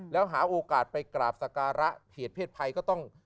แล้วหาโอกาสไปกราบสการะเหตุเพศภัยก็ต้อง